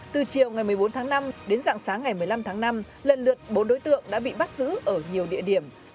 từ chiều ngày một mươi bốn tháng năm đến dạng sáng ngày một mươi năm tháng năm lần lượt bốn đối tượng đã bị bắt giữ ở nhiều địa điểm